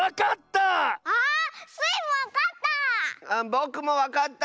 ぼくもわかった！